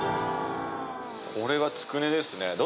これはつくねですね